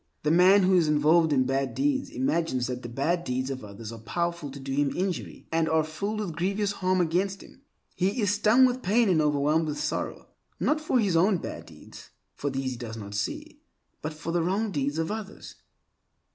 The man who is involved in bad deeds imagines that the bad deeds of others are powerful to do him injury and are filled with grievous harm against him. He is stung with pain and overwhelmed with sorrow, not for his own bad deeds (for these he does not see) but for the wrong deeds of others.